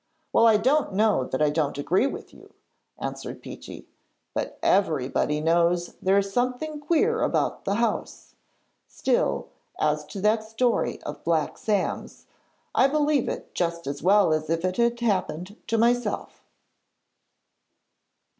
'Well, I don't know that I don't agree with you,' answered Peechy; 'but everybody knows there is something queer about the house. Still, as to that story of Black Sam's, I believe it just as well as if it had happened to myself.'